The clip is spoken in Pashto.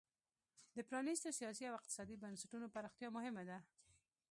د پرانیستو سیاسي او اقتصادي بنسټونو پراختیا مهمه ده.